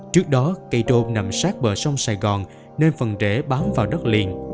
trước đó cây trôn nằm sát bờ sông sài gòn nên phần trễ bám vào đất liền